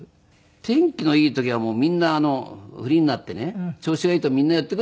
天気のいい時はみんな「フリーになってね調子がいいとみんな寄ってくるよ」と。